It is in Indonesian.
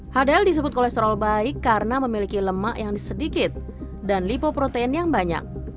hadal disebut kolesterol baik karena memiliki lemak yang sedikit dan lipoprotein yang banyak